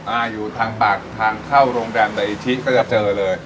อ่าอยู่ทางปากทางเข้าโรงแรมแต่อิชิก็จะเจอเลย